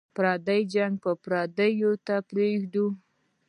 پردي جنګونه به پردیو ته پرېږدو.